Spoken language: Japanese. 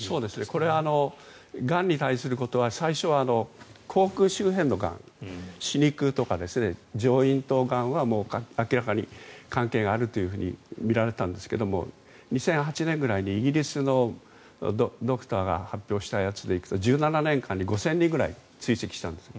これはがんに対してというのは最初は口腔周辺のがん歯肉とか上咽頭がんは明らかに関係があるとみられたんですが２００８年くらいにイギリスのドクターが発表したやつでいくと１７年間に５０００人くらい追跡したんです。